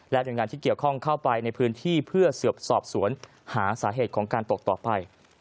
หน่วยงานที่เกี่ยวข้องเข้าไปในพื้นที่เพื่อสอบสวนหาสาเหตุของการตกต่อไป